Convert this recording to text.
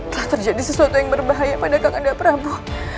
telah terjadi sesuatu yang berbahaya pada kakak andaprabu